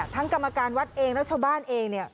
ทั้งกรรมการวัดเองและชาวบ้านเอง